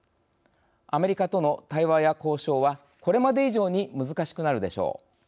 アメリカとの対話や交渉はこれまで以上に難しくなるでしょう。